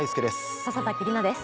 笹崎里菜です。